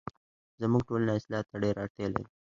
زموږ ټولنه اصلاح ته ډيره اړتیا لري